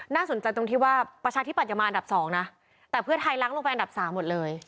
น่าสนใจตรงที่ว่าประชาธิบัตยมาอันดับ๒นะแต่เพื่อไทยล้างลงไปอันดับสามหมดเลย